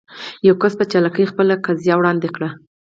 يو کس په چالاکي خپله قضيه وړاندې کړي.